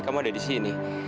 kamu ada di sini